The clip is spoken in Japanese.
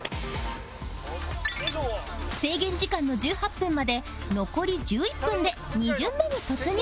制限時間の１８分まで残り１１分で２巡目に突入